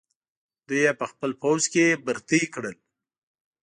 دوی یې په خپل پوځ کې برتۍ کړل.